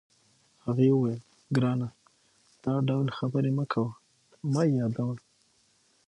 هغې وویل: ګرانه، دا ډول خبرې مه کوه، مه یې یادوه.